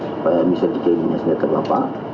supaya bisa dicairin senjata bapak